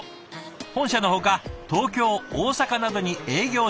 本社のほか東京大阪などに営業所